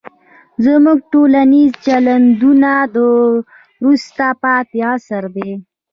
زموږ ټولنیز چلندونه د وروسته پاتې عصر دي.